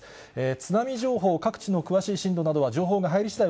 津波情報、各地の詳しい震度などは情報が入りしだい